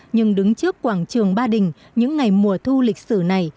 nhưng đứng trước quảng trường ba đình những ngày mùa thu lịch sử này